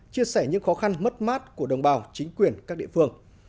chia sẻ những khó khăn mất mát của đồng bào chính quyền các địa phương